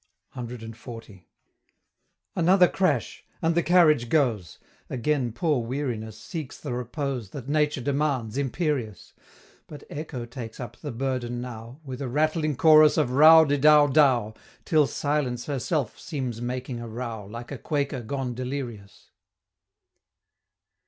CXL. Another crash and the carriage goes Again poor Weariness seeks the repose That Nature demands, imperious; But Echo takes up the burden now, With a rattling chorus of row de dow dow, Till Silence herself seems making a row, Like a Quaker gone delirious!